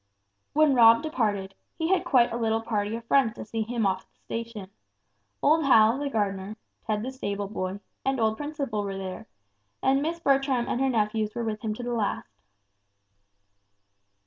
When Rob departed, he had quite a little party of friends to see him off at the station. Old Hal, the gardener, Ted, the stable boy, and old Principle were there, and Miss Bertram and her nephews were with him to the last.